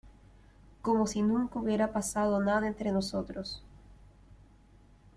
como si nunca hubiera pasado nada entre nosotros.